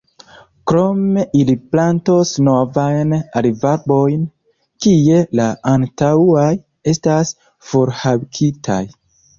Krome ili plantos novajn olivarbojn, kie la antaŭaj estas forhakitaj.